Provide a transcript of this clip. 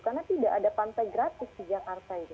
karena tidak ada pantai gratis di jakarta itu